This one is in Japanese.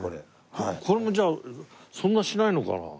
これもじゃあそんなしないのかな？